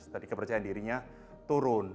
jadi kepercayaan dirinya turun